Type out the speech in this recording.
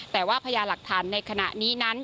แต่ว่าพญาหลักฐานในขณะนี้นั้น